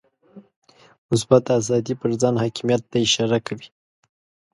مثبته آزادي پر ځان حاکمیت ته اشاره کوي.